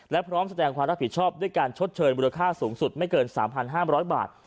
และพร้อมแสดงความรับผิดชอบด้วยการชดเชยมูลค่าสูงสุดไม่เกิน๓๕๐๐บาท